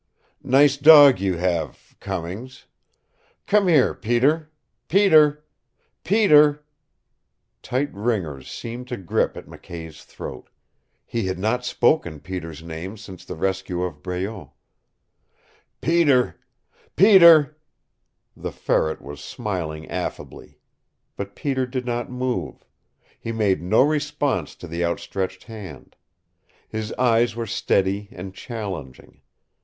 "Nice dog you have, Cummings. Come here, Peter! Peter Peter " Tight ringers seemed to grip at McKay's throat. He had not spoken Peter's name since the rescue of Breault. "Peter Peter " The Ferret was smiling affably. But Peter did not move. He made no response to the outstretched hand. His eyes were steady and challenging.